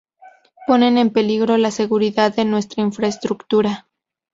Ponen en peligro la seguridad de nuestra infraestructura